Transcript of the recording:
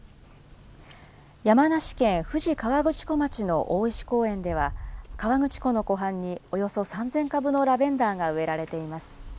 山梨県富士河口湖町の大石公園では、河口湖の湖畔におよそ３０００株のラベンダーが植えられています。